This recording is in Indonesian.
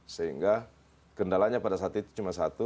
sehingga kendalanya pada saat itu cuma satu